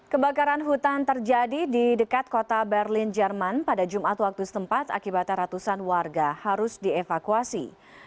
kebakaran hutan terjadi di dekat kota berlin jerman pada jumat waktu setempat akibat ratusan warga harus dievakuasi